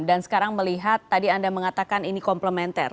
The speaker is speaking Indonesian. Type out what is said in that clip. dan sekarang melihat tadi anda mengatakan ini komplementer